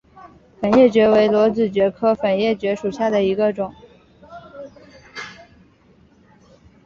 粉叶蕨为裸子蕨科粉叶蕨属下的一个种。